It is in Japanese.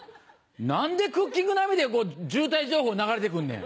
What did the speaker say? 何でクッキングナビで渋滞情報流れて来んねん。